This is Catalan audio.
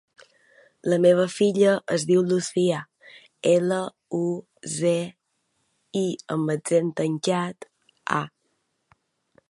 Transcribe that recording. La meva filla es diu Lucía: ela, u, ce, i amb accent tancat, a.